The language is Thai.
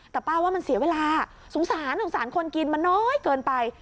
แต่ป้าว่ามันเสียเวลาสงสารสงสารคนกินมันน้อยเกินไป